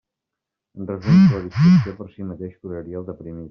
En resum, que la distracció per si mateixa curaria el deprimit.